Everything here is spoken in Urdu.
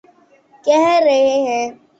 کہہ رہے ہیں۔